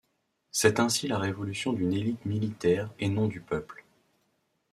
C'est ainsi la révolution d'une élite militaire et non du peuple.